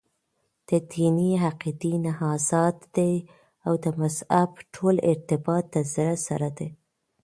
دديني عقيدي نه ازاد دي او دمذهب ټول ارتباط دزړه سره دى .